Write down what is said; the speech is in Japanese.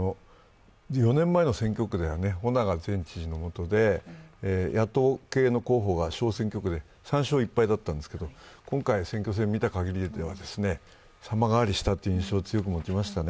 ４年前の選挙区では翁長前知事の下で野党系の候補が選挙区で３勝１敗だったんですけれども、今回、選挙戦を見たかぎりでは様変わりしたという印象を強く持ちましたね。